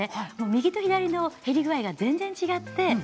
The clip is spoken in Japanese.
右と左の減り具合が全然違って。